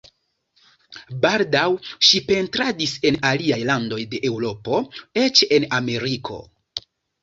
Baldaŭ ŝi pentradis en aliaj landoj de Eŭropo, eĉ en Ameriko.